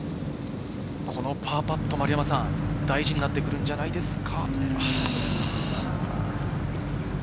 パーパット、大事になってくるんじゃないですか？